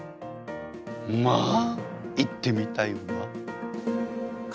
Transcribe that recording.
まあ行ってみたいわ。